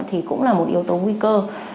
thì cũng là một yếu tố vi cơ